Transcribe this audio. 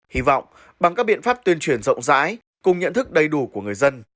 hy vọng bằng các biện pháp tuyên truyền rộng rãi cùng nhận thức đầy đủ của người dân